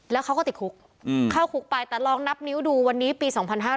แล้วเขาก็ติดคุกเข้าคุกไปแต่ลองนับนิ้วดูวันนี้ปี๒๕๕๙